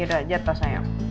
udah jatuh sayang